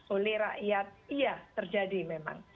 oleh rakyat iya terjadi memang